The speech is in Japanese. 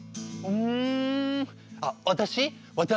うん。